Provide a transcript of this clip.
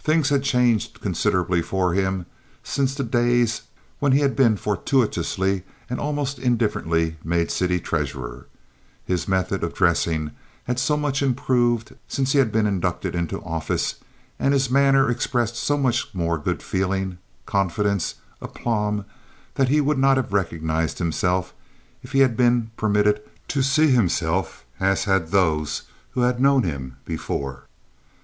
Things had changed considerably for him since the days when he had been fortuitously and almost indifferently made city treasurer. His method of dressing had so much improved since he had been inducted into office, and his manner expressed so much more good feeling, confidence, aplomb, that he would not have recognized himself if he had been permitted to see himself as had those who had known him before.